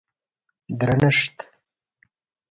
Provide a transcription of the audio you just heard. درنښت